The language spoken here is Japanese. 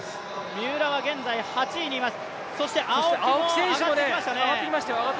三浦は現在８位にいます。